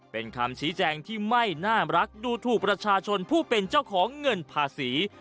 เป็นคำชี้แจงที่ไม่น่ารักดูถูกประชาชนผู้เป็นเจ้าของเงินภาษี